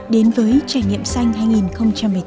đến với trải nghiệm xanh hai nghìn một mươi tám